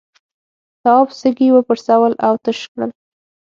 تواب سږي وپرسول او تش کړل.